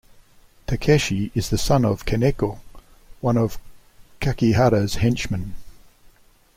Takeshi is the son of Kaneko, one of Kakihara's henchmen.